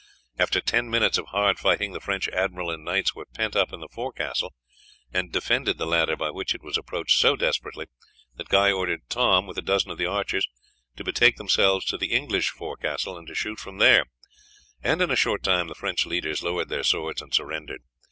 After ten minutes' hard fighting the French admiral and knights were pent up on the fore castle, and defended the ladder by which it was approached so desperately that Guy ordered Tom, with a dozen of the archers, to betake themselves to the English fore castle and to shoot from there, and in a short time the French leaders lowered their swords and surrendered.